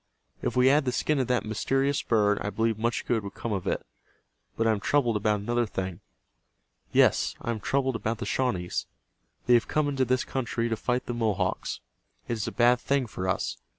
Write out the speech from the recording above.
"If we had the skin of that mysterious bird I believe much good would come of it. But I am troubled about another thing. Yes, I am troubled about the Shawnees. They have come into this country to fight the Mohawks. It is a bad thing for us.